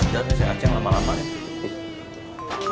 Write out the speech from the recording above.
aja sih saya ceng lama lama ya